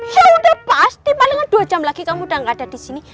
ya udah pasti malah dua jam lagi kamu udah gak ada disini